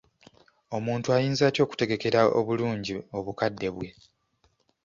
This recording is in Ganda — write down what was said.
Omuntu ayinza atya okutegekera obulungi obukadde bwe?